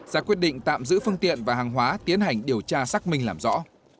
ra quyết định tạm giữ phương tiện và hàng hóa tiến hành điều tra xác minh làm rõ